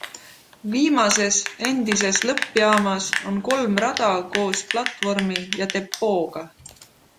Viimases, endine lõppjaamas, on kolm rada koos platvormi ja depoooga.